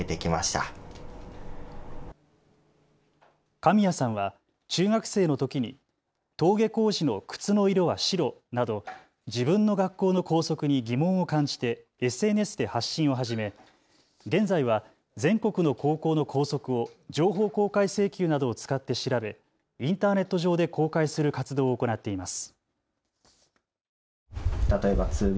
神谷さんは中学生のときに登下校時の靴の色は白など自分の学校の校則に疑問を感じてＳＮＳで発信を始め、現在は全国の高校の校則を情報公開請求などを使って調べインターネット上で公開する活動を行っています。